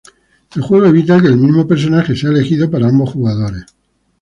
El juego evita que el mismo personaje sea elegido para ambos jugadores.